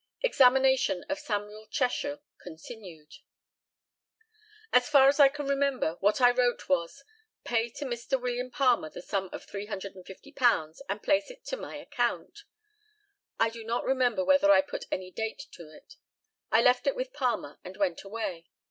Examination of Samuel Cheshire continued: As far as I can remember, what I wrote was, "Pay to Mr. William Palmer the sum of £350, and place it to my account." I do not remember whether I put any date to it. I left it with Palmer, and went away.